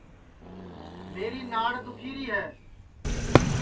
میری ناڑ دُؔکھی ری ہے